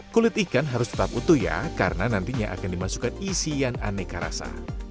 kulit ikan harus tetap utuh ya karena nantinya akan dimasukkan isian aneka rasa